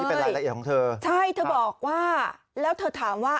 เป็นรายละเอียดของเธอใช่เธอบอกว่าแล้วเธอถามว่า